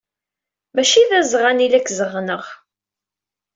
Maci d azɣan ay la k-zeɣɣneɣ.